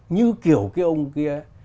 như kiểu cái ông kia